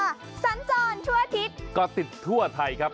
สวัสดีค่ะสันจรทั่วอาทิตย์ก็ติดทั่วไทยครับ